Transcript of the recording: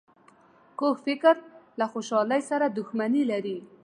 کوږ فکر له خوشحالۍ سره دښمني لري